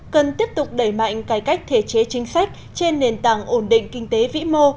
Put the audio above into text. cần tiếp tục đẩy mạnh cải cách thể chế chính sách trên nền tảng ổn định kinh tế vĩ mô